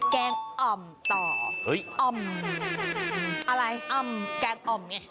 แกงอ่อมต่อเฮ้ยอ่อมอะไรอ่อมแกงอ่อมไง